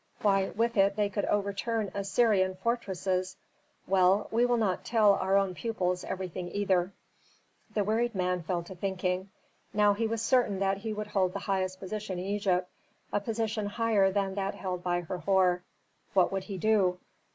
Why, with it they could overturn Assyrian fortresses! Well, we will not tell our own pupils everything either." The wearied man fell to thinking. Now he was certain that he would hold the highest position in Egypt, a position higher than that held by Herhor. What would he do?